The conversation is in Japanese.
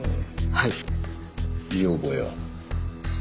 はい見覚えは？